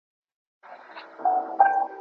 چي هره ورځ دي په سر اوښکو ډکومه